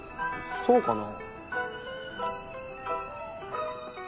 そうかな。